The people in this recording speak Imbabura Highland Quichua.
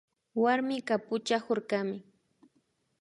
Warmika puchakurkami